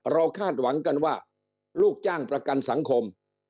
คาดหวังกันว่าลูกจ้างประกันสังคม